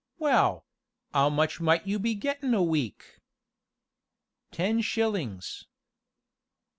"Well 'ow much might you be gettin' a week?" "Ten shillings."